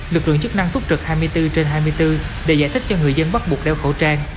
lực lượng chức năng túc trực hai mươi bốn trên hai mươi bốn để giải thích cho người dân bắt buộc đeo khẩu trang